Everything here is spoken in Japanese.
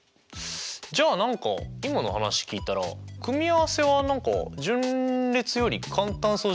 じゃあ何か今の話聞いたら組合せは何か順列より簡単そうじゃないですか？